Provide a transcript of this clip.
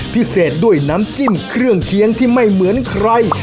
พิเศษด้วยน้ำจิ้มเครื่องเคียงที่ไม่เหมือนใคร